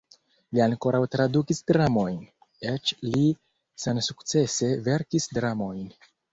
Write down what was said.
Li ankaŭ tradukis dramojn, eĉ li sensukcese verkis dramojn.